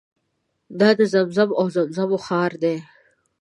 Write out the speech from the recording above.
دا د زمزم او زمزمو ښار دی.